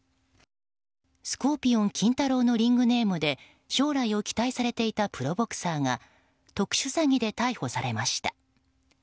スコーピオン金太郎のリングネームで将来を期待されていたプロボクサーが特殊詐欺で逮捕されました。